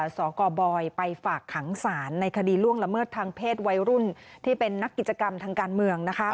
สกบอยไปฝากขังศาลในคดีล่วงละเมิดทางเพศวัยรุ่นที่เป็นนักกิจกรรมทางการเมือง